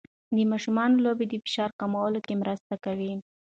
د ماشومانو لوبې د فشار کمولو کې مرسته کوي.